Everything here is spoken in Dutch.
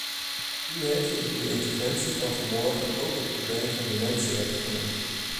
U heeft in uw interventie van vanmorgen ook het probleem van de mensenrechten genoemd.